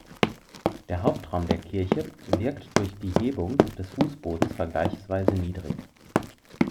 Der Hauptraum der Kirche wirkt durch die Hebung des Fußbodens vergleichsweise niedrig.